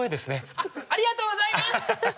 ありがとうございます！